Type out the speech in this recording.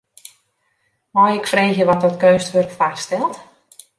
Mei ik freegje wat dat keunstwurk foarstelt?